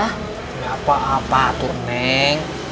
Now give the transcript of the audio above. gak apa apa atu neng